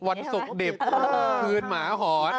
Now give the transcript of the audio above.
วันศุกร์ดิบคืนหมาหอน